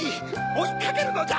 おいかけるのじゃ！